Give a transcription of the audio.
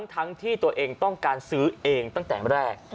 ทั้งที่ตัวเองต้องการซื้อเองตั้งแต่แรก